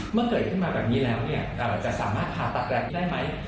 เมื่อเกิดขึ้นมาแบบนี้แล้วจะสามารถผ่าตัดแรงได้ไหม